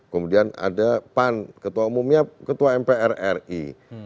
kemudian ada pan ketua umumnya ketua mpr ri